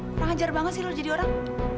kurang ajar banget sih lo jadi orang